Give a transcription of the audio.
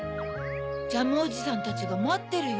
ジャムおじさんたちがまってるよ。